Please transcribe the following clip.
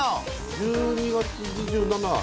１２月２７日。